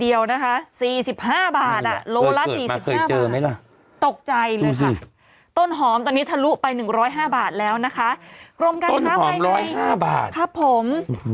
อีหนุ่ม